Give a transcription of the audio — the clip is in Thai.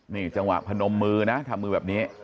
นี่จังหวะพนมมือนะทำมือแบบนี้